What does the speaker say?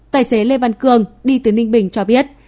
tài xế lê văn cương đi từ ninh bình cho biết